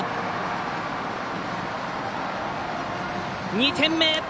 ２点目！